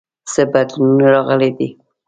څه بدلونونه راغلي دي؟